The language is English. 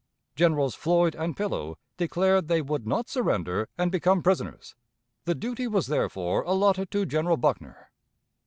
Generals Floyd and Pillow declared they would not surrender and become prisoners; the duty was therefore allotted to General Buckner.